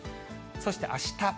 そして、あした。